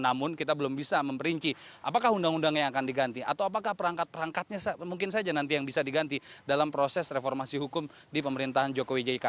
namun kita belum bisa memperinci apakah undang undang yang akan diganti atau apakah perangkat perangkatnya mungkin saja nanti yang bisa diganti dalam proses reformasi hukum di pemerintahan jokowi jk